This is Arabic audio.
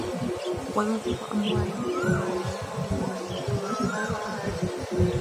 وَيُنْفِقَ أَمْوَالَهُ فِيمَا لَا يَحْصُلُ لَهُ ثَوَابُهُ وَأَجْرُهُ